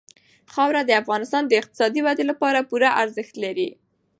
خاوره د افغانستان د اقتصادي ودې لپاره پوره ارزښت لري.